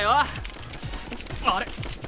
あれ？